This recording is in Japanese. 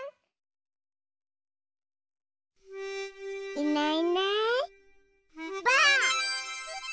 いないいないばあっ！